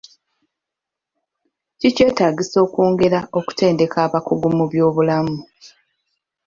Kikyetaagisa okwongera okutendeka abakugu mu by'obulamu.